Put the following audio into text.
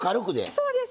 そうです。